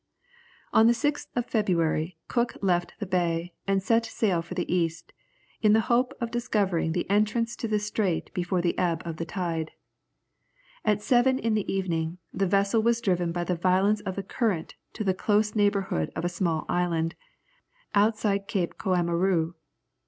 On the 6th of February, Cook left the bay, and set sail for the east, in the hope of discovering the entrance to the strait before the ebb of the tide. At seven in the evening, the vessel was driven by the violence of the current to the close neighbourhood of a small island, outside Cape Koamaroo.